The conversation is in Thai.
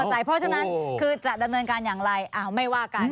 เพราะฉะนั้นคือจะดำเนินการอย่างไรไม่ว่ากัน